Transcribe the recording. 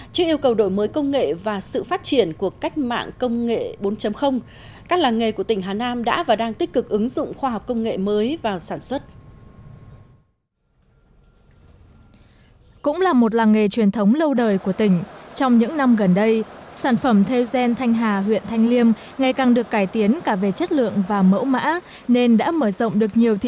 trước yêu cầu đổi mới công nghệ và sự phát triển của cách mạng công nghệ bốn các làng nghề của tỉnh hà nam đã và đang tích cực ứng dụng khoa học công nghệ mới vào sản xuất